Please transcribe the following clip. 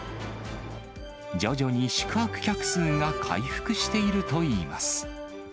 徐々に宿泊客数が回復しているといいます。